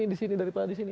di sini daripada di sini